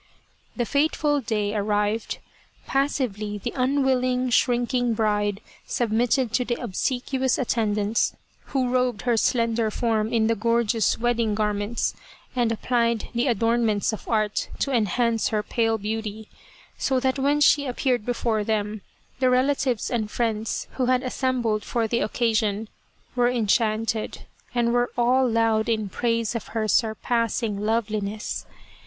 The fateful day arrived. Passively the unwilling, shrinking bride submitted to the obsequious atten dants, who robed her slender form in the gorgeous wedding garments and applied the adornments of art to enhance her pale beauty, so that when she appeared before them, the relatives and friends, who had assembled for the occasion, were en chanted, and all were loud in praise of her surpassing loveliness.